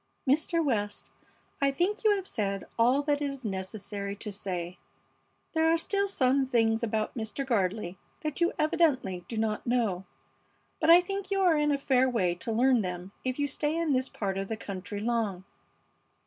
"Mr. West, I think you have said all that it is necessary to say. There are still some things about Mr. Gardley that you evidently do not know, but I think you are in a fair way to learn them if you stay in this part of the country long.